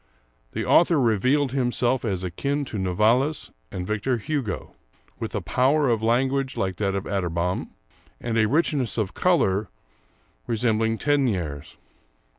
The author revealed himself as akin to Novalis and Victor Hugo, with a power of language like that of Atterbom, and a richness of color resembling Tegnèr's.